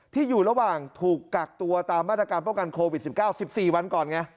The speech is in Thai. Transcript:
ที่อยู่ระหว่างถูกกักตัวตามมาตรการป้องกันโควิด๑๙๑๔วันก่อนไง